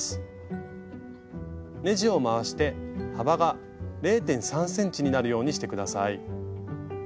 ねじを回して幅が０．３ｃｍになるようにして下さい。